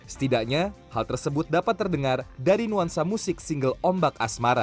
setidaknya hal tersebut dapat terdengar dari nuansa musik single ombak asmara